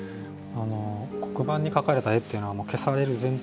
黒板に描かれた絵っていうのは消される前提だから。